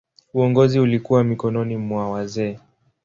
Uongozi ulikuwa mikononi mwa wazee.